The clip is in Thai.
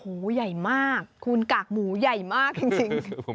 โอ้โหใหญ่มากคุณกากหมูใหญ่มากจริง